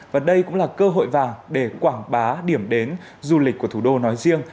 và đây cũng là cơ hội vàng để quảng bá điểm đến du lịch của thủ đô nói riêng